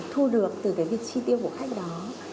thu được từ cái việc chi tiêu của khách đó